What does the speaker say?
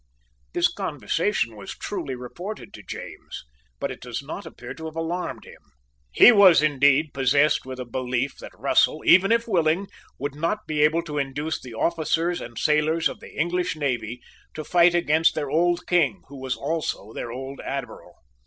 This conversation was truly reported to James; but it does not appear to have alarmed him. He was, indeed, possessed with a belief that Russell, even if willing, would not be able to induce the officers and sailors of the English navy to fight against their old King, who was also their old Admiral.